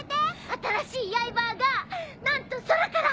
新しいヤイバーがなんと空から。